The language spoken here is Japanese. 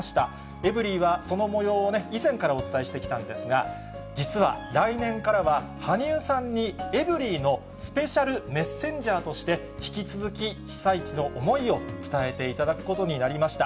エブリィはそのもようを、以前からお伝えしてきたんですが、実は来年からは、羽生さんに、エブリィのスペシャルメッセンジャーとして、引き続き被災地の思いを伝えていただくことになりました。